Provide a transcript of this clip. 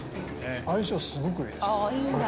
相性すごくいいです、これ。